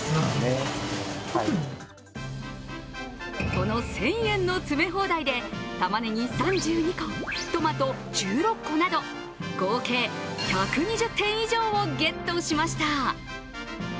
この１０００円の詰め放題でたまねぎ３２個、トマト１６個など、合計１２０点以上をゲットしました。